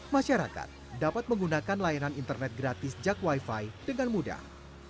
masyarakat dapat menggunakan layanan internet gratis jak wifi dengan mudah